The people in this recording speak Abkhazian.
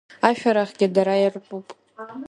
Ашәарахгьы дара иртәуп!